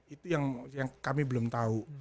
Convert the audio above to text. itu yang kami belum tahu